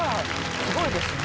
すごいですね。